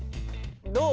どう？